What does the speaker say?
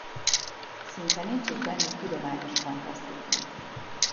Szinte nincs is bennük tudományos fantasztikum.